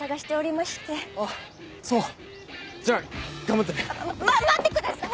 ま待ってください！